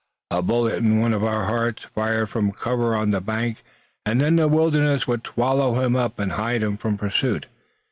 A bullet in one of our hearts, fired from cover on the bank, and then the wilderness would swallow him up and hide him from pursuit.